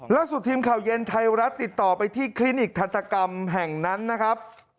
ล่าสุดทีมข่าวเย็นไทยรัฐติดต่อไปที่คลินิกทันตกรรมแห่งนั้นนะครับ